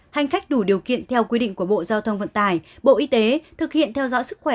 hành khách đủ điều kiện theo quy định của bộ giao thông vận tải bộ y tế thực hiện theo dõi sức khỏe